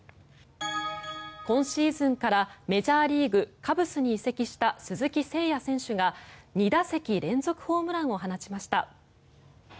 今シーズンからメジャーリーグ、カブスに移籍した鈴木誠也選手が２打席連続ホームランを放ちました。